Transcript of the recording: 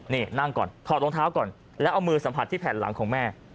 นี่นั่งก่อนถอดรองเท้าก่อนแล้วเอามือสัมผัสที่แผ่นหลังของแม่